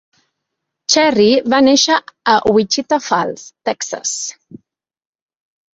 Cherry va néixer a Wichita Falls, Texas.